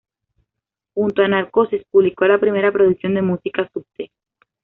Junto a Narcosis publicó la primera producción de música subte.